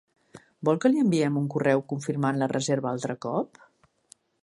Vol que li enviem un correu confirmant la reserva altre cop?